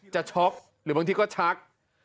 จะเชาะหรือบางทีก็ชัก